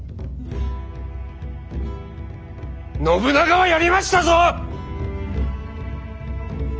信長はやりましたぞ！